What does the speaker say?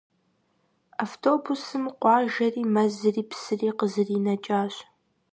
Автобусым къуажэри, мэзри, псыри къызэринэкӏащ.